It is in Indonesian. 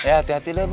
ya hati hati deh bu